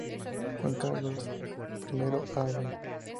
Juan Carlos I, Av.